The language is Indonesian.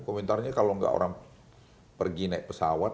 komentarnya kalau nggak orang pergi naik pesawat